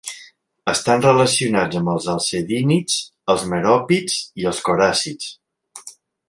Estan relacionats amb els alcedínids, els meròpids i els coràcids.